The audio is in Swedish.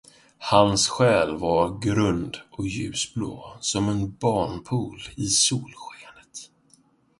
Hans själ var grund och ljusblå som en barnpool i solsken.